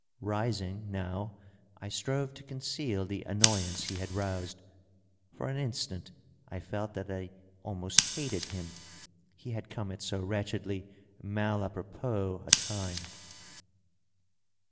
Rising, now, I strove to conceal the annoyance he had roused. For an instant I felt that I almost hated him ; he had come at so wretchedly malapropos a time.